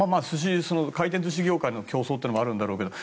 回転寿司業界の競争もあるんだろうけど。